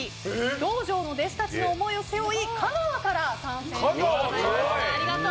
道場の弟子たちの思いを背負い香川から参戦しました。